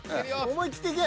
思い切っていけ。